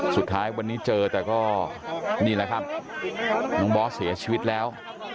สุดท้ายวันนี้เจอแต่ก็นี่แหละครับน้องบอสเสียชีวิตแล้ว